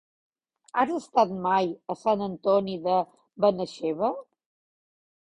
Has estat mai a Sant Antoni de Benaixeve?